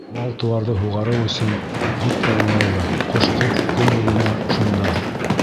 Мал-тыуарҙы һуғарыу өсөн бик тә уңайлы, ҡош-ҡорт көноҙоно шунда.